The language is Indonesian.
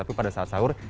tapi pada saat sahur